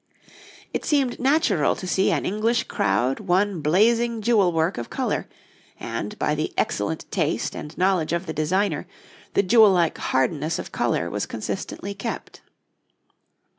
It seemed natural to see an English crowd one blazing jewel work of colour, and, by the excellent taste and knowledge of the designer, the jewel like hardness of colour was consistently kept.